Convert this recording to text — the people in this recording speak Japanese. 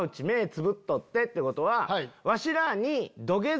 つぶっとって」ってことはわしらに。